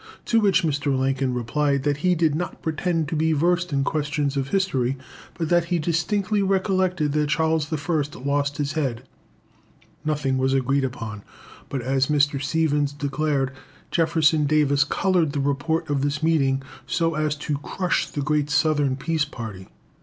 To which Mr. Lincoln replied that he did not pretend to be versed in questions of history, but that he distinctly recollected that Charles I. lost his head. Nothing was agreed upon. But, as Mr. Stephens declared, Jefferson Davis coloured the report of this meeting so as to crush the great Southern peace party.